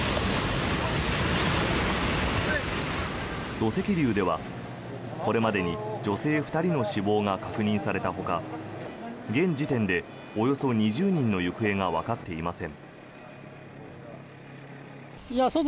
土石流では、これまでに女性２人の死亡が確認されたほか現時点でおよそ２０人の行方がわかっていません。